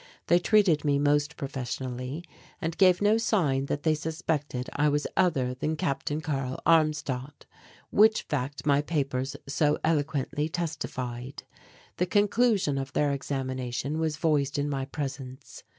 They treated me most professionally and gave no sign that they suspected I was other than Capt. Karl Armstadt, which fact my papers so eloquently testified. The conclusion of their examination was voiced in my presence.